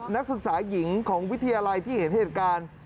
นักศึกษาหญิงของวิทยาลัยที่เห็นเหตุการณ์